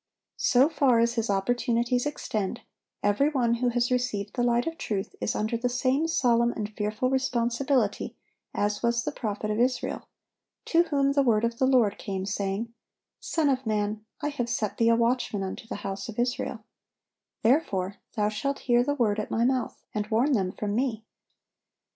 So far as his opportunities extend, every one who has received the light of truth is under the same solemn and fearful responsibility as was the prophet of Israel, to whom the word of the Lord came, saying: "Son of man, I have set thee a watchman unto the house of Israel; therefore thou shalt hear the word at My mouth, and warn them from Me.